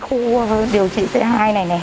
khu điều trị c hai này này